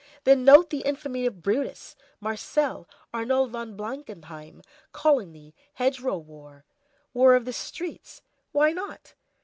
Then note the infamy of Brutus, Marcel, Arnould von Blankenheim, Coligny, Hedgerow war? War of the streets? Why not?